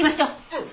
うん。